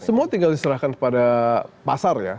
semua tinggal diserahkan kepada pasar ya